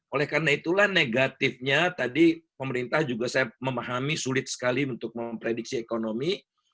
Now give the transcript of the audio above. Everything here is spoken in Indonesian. oleh karena itulah negatifnya tadi pemerintah juga saya memahami sulit sekali untuk memprediksi ekonomi